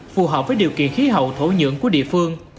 phù hợp với điều kiện khí hậu thổ nhưỡng của địa phương